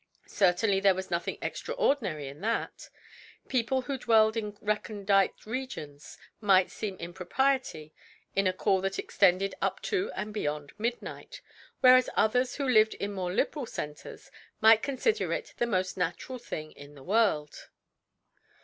Certainly there was nothing extraordinary in that. People who dwelled in recondite regions might see impropriety in a call that extended up to and beyond midnight, whereas others who lived in more liberal centres might consider it the most natural thing in the world.